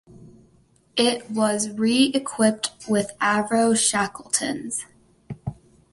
It was re-equipped with Avro Shackletons.